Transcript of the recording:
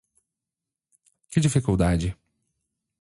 Que dificuldade?